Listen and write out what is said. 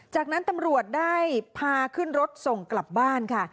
จากนั้นตำรวจได้พาขึ้นรถส่งกลับบ้านค่ะ